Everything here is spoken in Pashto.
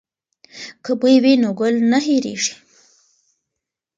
که بوی وي نو ګل نه هیرېږي.